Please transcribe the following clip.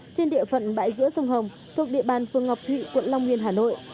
trên địa phận bãi giữa sông hồng thuộc địa bàn phương ngọc thụy quận long nguyên hà nội